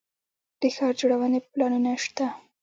د ښار جوړونې پلانونه شته